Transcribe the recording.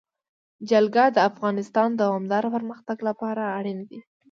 جلګه د افغانستان د دوامداره پرمختګ لپاره اړین دي.